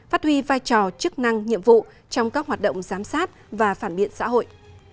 phát huy vai trò chức năng nhiệm vụ trong các hoạt động giám sát và phản biện xã hội